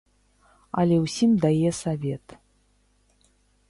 Але ўсім дае савет.